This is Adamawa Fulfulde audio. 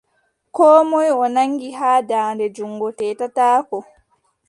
Koo moy o nanngi haa daande junngo, teetataako.